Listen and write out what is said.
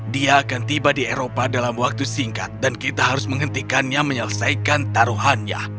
dia akan tiba di eropa dalam waktu singkat dan kita harus menghentikannya menyelesaikan taruhannya